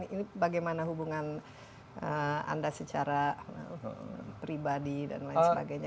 ini bagaimana hubungan anda secara pribadi dan lain sebagainya